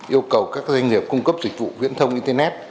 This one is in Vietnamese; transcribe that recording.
yêu cầu các doanh nghiệp cung cấp dịch vụ viễn thông internet